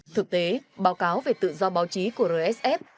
thực tế báo cáo về tự do báo chí của rsf